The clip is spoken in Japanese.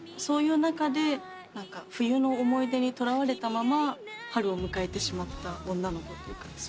そういう中で冬の思い出にとらわれたまま春を迎えてしまった女の子というか。